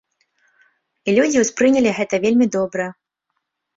І людзі ўспрынялі гэта вельмі добра.